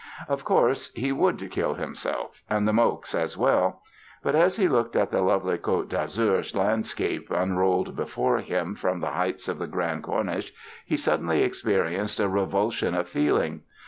Of course he would kill himself—and the Mokes as well! But as he looked at the lovely Côte d'Azur landscape unrolled before him from the heights of the Grande Corniche he suddenly experienced a revulsion of feeling.